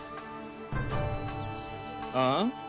ああ？